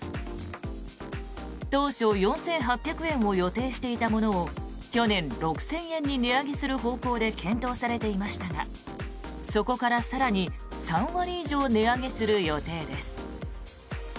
当初、４８００円を予定していたものを去年６０００円に値上げする方向で検討されていましたがそこから更に３割以上値上げする予定です。